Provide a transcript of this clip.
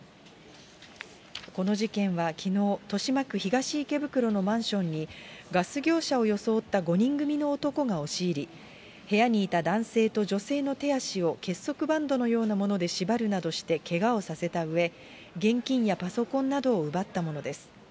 この事件はきのう、豊島区東池袋のマンションに、ガス業者を装った５人組の男が押し入り、部屋にいた男性と女性の手足を結束バンドのようなもので縛るなどしてけがをさせたうえ、現金やパソコンなどを奪ったものです。